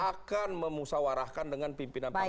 akan memusawarahkan dengan pimpinan pantai lain